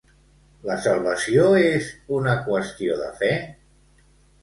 La salvació és una qüestió de fe?